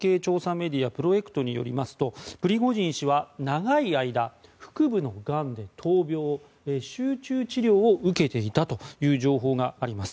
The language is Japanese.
メディアプロエクトによりますとプリゴジン氏は長い間、腹部のがんで闘病集中治療を受けていたという情報があります。